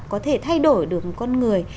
có thể thay đổi được một con người